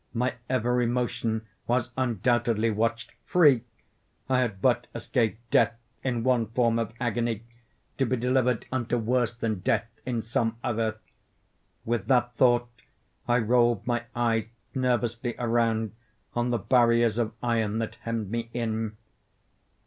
My every motion was undoubtedly watched. Free!—I had but escaped death in one form of agony, to be delivered unto worse than death in some other. With that thought I rolled my eves nervously around on the barriers of iron that hemmed me in.